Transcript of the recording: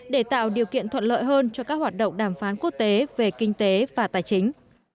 để tạo điều kiện thuận lợi hơn cho các hoạt động đàm phán quốc tế về kinh tế và tài chính